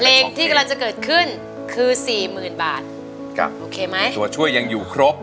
เพลงที่กำลังจะเกิดขึ้นคือสี่หมื่นบาทจ้ะโอเคไหมตัวช่วยยังอยู่ครบ